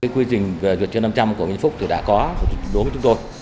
quy trình về duyệt trên năm trăm linh của nguyễn phúc thì đã có đối với chúng tôi